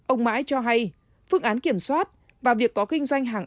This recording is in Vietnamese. ông mãi cho hay phương án kiểm soát và việc có kinh doanh hàng